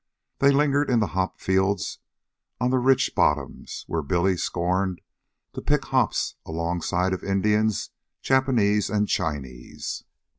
They lingered in the hop fields on the rich bottoms, where Billy scorned to pick hops alongside of Indians, Japanese, and Chinese.